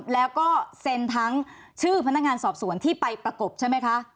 แล้วก็เซ็นทั้งชื่อพนักงานสอบสวนที่ไปประกบใช่ไหมคะ